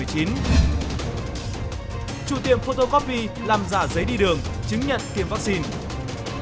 chủ tiệm photocopy làm giả giấy đi đường chứng nhận tiêm vaccine